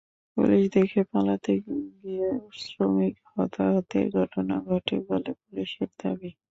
Police দেখে পালাতে গিয়ে শ্রমিক হতাহতের ঘটনা ঘটে বলে পুলিশের দাবি।